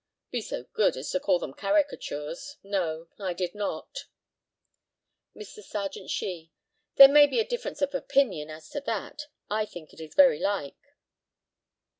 Be so good as to call them caricatures. No; I did not. Mr. Serjeant SHEE: There may be a difference of opinion as to that. I think it is very like.